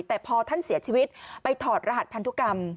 แต่พอท่านเสียชีวิตไปถอดรหัสพันธุกรรม